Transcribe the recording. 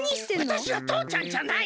わたしはとうちゃんじゃない！